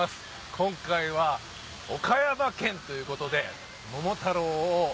今回は岡山県ということで。